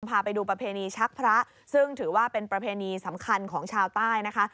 พาไปดูประเพณีชักพระซึ่งถือว่าเป็นประเพณีสำคัญของชาวใต้นะคะ